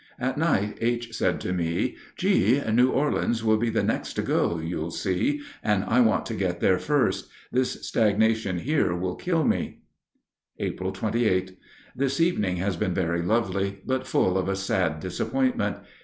At night H. said to me, "G., New Orleans will be the next to go, you'll see, and I want to get there first; this stagnation here will kill me." April 28. This evening has been very lovely, but full of a sad disappointment.